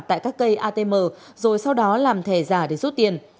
tại các cây atm rồi sau đó làm thẻ giả để rút tiền